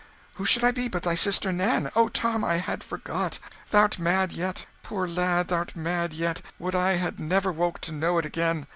Who should I be, but thy sister Nan? Oh, Tom, I had forgot! Thou'rt mad yet poor lad, thou'rt mad yet: would I had never woke to know it again!